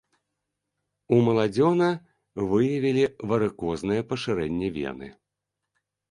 У маладзёна выявілі варыкознае пашырэнне вены.